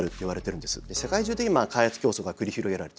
世界中で今開発競争が繰り広げられている。